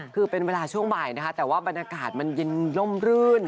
คือเป็นเวลาช่วงบ่ายนะคะแต่ว่าบรรยากาศมันเย็นร่มรื่น